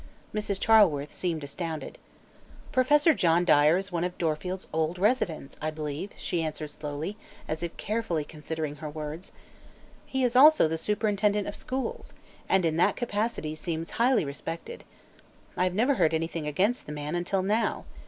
Mrs. Charleworth seemed astounded. "Professor John Dyer is one of Dorfield's old residents, I believe," she answered slowly, as if carefully considering her words. "He is also the superintendent of schools, and in that capacity seems highly respected. I have never heard anything against the man, until now.